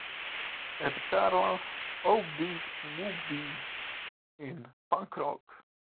add carla's OopDeeWopDee in Funk Rock